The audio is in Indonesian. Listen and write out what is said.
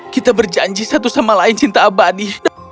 kita berjanji satu sama lain cinta abadi